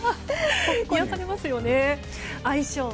癒やされますよね。